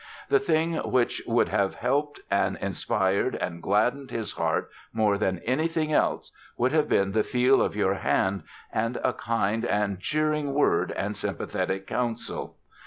The thing which would have helped and inspired and gladdened his heart more than anything else would have been the feel of your hand and a kind and cheering word and sympathetic counsel.